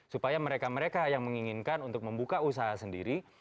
supaya mereka mereka yang menginginkan untuk membuka usaha sendiri